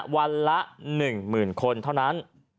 วันละ๑๐๐๐คนเท่านั้น